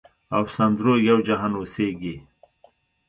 او سندرو یو جهان اوسیږې